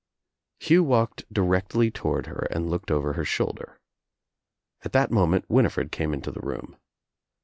Hugh walked directly toward her and looked over her shoulder. At that moment Winifred came into the room.